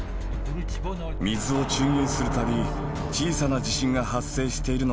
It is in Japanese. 水を注入するたび小さな地震が発生しているのが分かります。